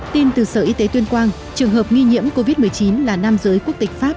tin từ sở y tế tuyên quang trường hợp nghi nhiễm covid một mươi chín là nam giới quốc tịch pháp